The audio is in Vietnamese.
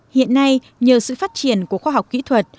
hiện nay nhờ sự phát triển của khoa học kỹ thuật